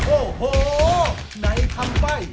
โอ้โหไหนทำไป